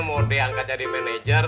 mau diangkat jadi manajer